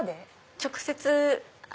直接。